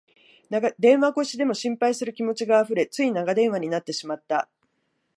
電話越しでも心配する気持ちがあふれ、つい長電話になってしまった